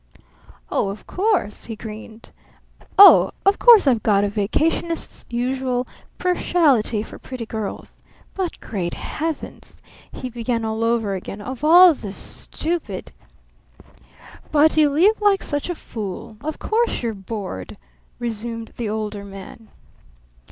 "Oh, of course," he grinned. "Oh, of course I've got a vacationist's usual partiality for pretty girls. But Great Heavens!" he began, all over again. "Of all the stupid !" "But you live like such a fool of course you're bored," resumed the Older Man.